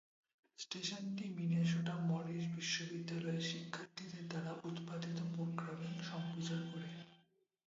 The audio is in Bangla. স্টেশনটি মিনেসোটা মরিস বিশ্ববিদ্যালয়ের শিক্ষার্থীদের দ্বারা উত্পাদিত প্রোগ্রামিং সম্প্রচার করে।